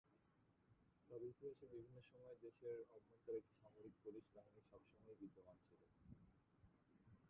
তবে ইতিহাসের বিভিন্ন সময়ে দেশের অভ্যন্তরে একটি সামরিক পুলিশ বাহিনী সবসময়ই বিদ্যমান ছিল।